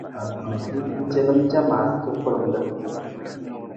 Calam camar cafalamar.